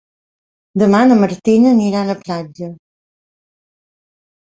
Demà na Martina anirà a la platja.